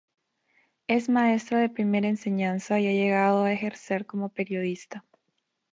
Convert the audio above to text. Es maestro de primera enseñanza y ha llegado a ejercer como periodista.